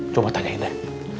coba tanyain deh